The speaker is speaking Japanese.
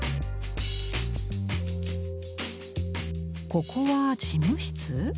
ここは事務室？